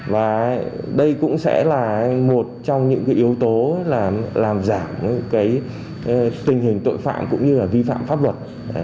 và đây cũng sẽ là một trong những yếu tố làm giảm tình hình tội phạm cũng như vi phạm pháp luật